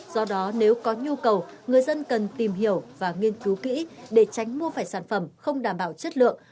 do đó nếu có nhu cầu người dân cần tìm hiểu và nghiên cứu kỹ để tránh mua phải sản phẩm không đảm bảo chất lượng